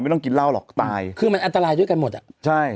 ต้องกินเหล้าหรอกตายคือมันอันตรายด้วยกันหมดอ่ะใช่